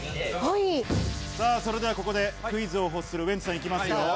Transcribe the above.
それでは、ここでクイズを欲するウエンツさん行きますよ。